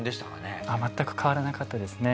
全く変わらなかったですね。